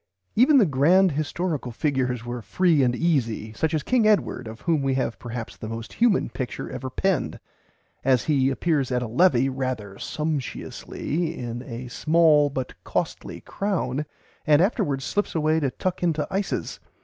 Even the grand historical figures were free and easy, such as King Edward, of whom we have perhaps the most human picture ever penned, as he appears at a levée "rather sumshiously," in a "small [Pg vii] but costly crown," and afterwards slips away to tuck into ices.